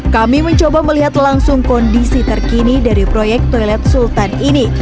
kami mencoba melihat langsung kondisi terkini dari proyek toilet sultan ini